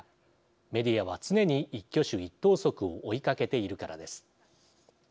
メディアは常に一挙手一投足を追いかけているからです。